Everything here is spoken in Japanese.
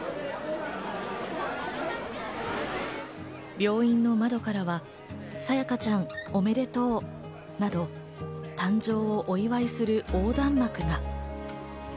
病院の窓からは「沙也加ちゃんおめでとう」など誕生をお祝いする横断幕が。